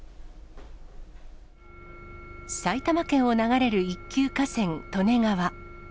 埼玉県を流れる一級河川、利根川。